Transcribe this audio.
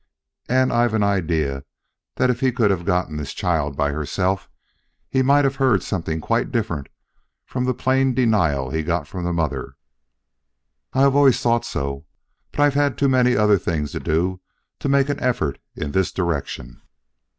And I've an idea that if he could have got this child by herself, he might have heard something quite different from the plain denial he got from the mother. I've always thought so; but I've had too many other things to do to make an effort in this direction.